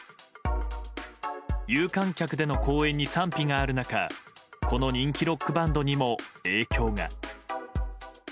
有観客での公演に賛否がある中この人気ロックバンドにも影響が。